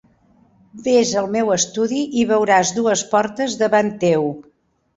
Ves al meu estudi, i veuràs dues portes davant teu.